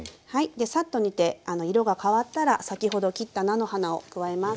でサッと煮て色が変わったら先ほど切った菜の花を加えます。